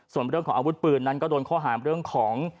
ส่วนเรื่องของอาวุธปืนนั้นก็โดนข้อหามเรื่องของ